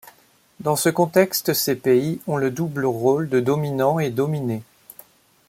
Dans ce contexte, ces pays ont le double rôle de dominant et dominé.